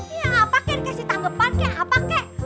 iya apa kek dikasih tanggapan kek apa kek